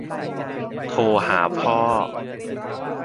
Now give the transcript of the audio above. โทรหาพ่อ